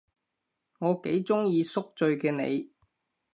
我幾鍾意宿醉嘅你